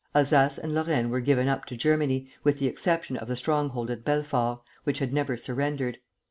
Alsace and Lorraine were given up to Germany, with the exception of the stronghold of Belfort, which had never surrendered.